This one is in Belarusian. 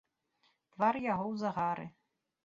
Твар яго ў загары.